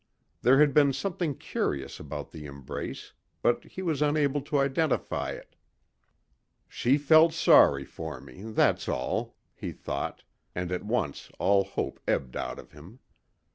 There had been something curious about the embrace but he was unable to identify it. "She felt sorry for me, that's all," he thought and at once all hope ebbed out of him.